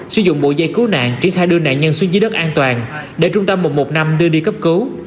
sử dụng bộ dây cứu nạn triển khai đưa nạn nhân xuống dưới đất an toàn để trung tâm một trăm một mươi năm đưa đi cấp cứu